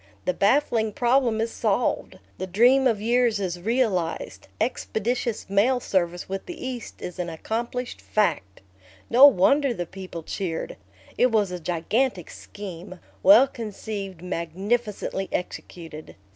The baffling problem is solved; the dream of years is realized; expeditious mail service with the East is an accomplished fact. No wonder the people cheered! It was a gigantic scheme, well conceived, magnificently executed.